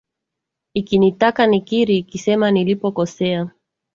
Ikinitaka nikiri nikisema nilipokosea